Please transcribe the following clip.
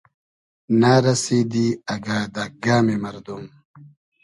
نۂ رئسیدی اگۂ دۂ گئمی مئردوم